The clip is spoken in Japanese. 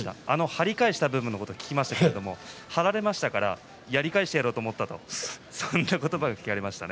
張り返した部分のことを聞きますと張られましたからやり返してやろうと思ったとそんな言葉が聞かれました。